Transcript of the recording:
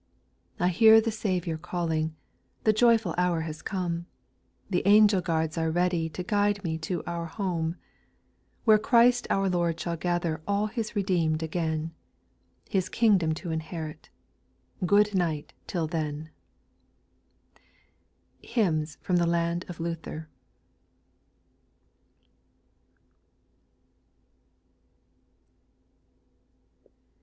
I hear the Saviour calling ; The joyful hour has come : The angel guards are ready To guide me to our home ; Where Christ our Lord shall gather All His redeem^ again. His kingdom to inherit ;— Good night till then ! HTMNS FROM THE LAND OF LUTHEB.